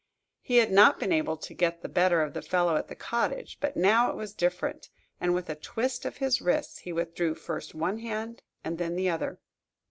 He had not been able to get the better of the fellow at the cottage, but now it was different, and, with a twist of his wrists, he withdrew first one hand and then the other.